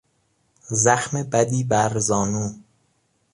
زخم بدی بر زانو